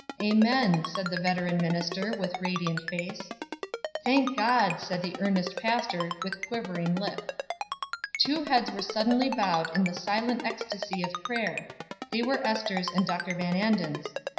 "Amen," said the veteran minister, with radiant face. "Thank God," said the earnest pastor, with quivering lip. Two heads were suddenly bowed in the silent ecstasy of prayer they were Ester's and Dr. Van Anden's.